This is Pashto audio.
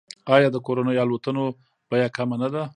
آیا د کورنیو الوتنو بیه کمه نه ده؟